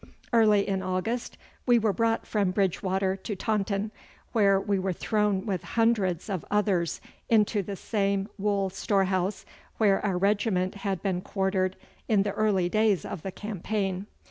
Early in August we were brought from Bridgewater to Taunton, where we were thrown with hundreds of others into the same wool storehouse where our regiment had been quartered in the early days of the campaign.